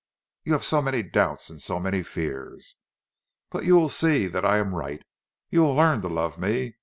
You have so many doubts and so many fears. But you will see that I am right; you will learn to love me.